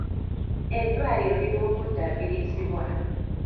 Eddwaliro liri mu kuddaabirizibwa.